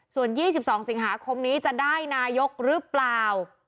ส่วน๒๒สิงหาคมนี้จะได้นายกหรือเปล่า